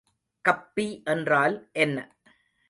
கப்பி என்றால் என்ன?